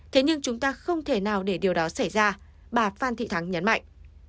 thế nhưng chúng ta không thể nào để điều đó xảy ra bà phan thị thắng nhấn mạnh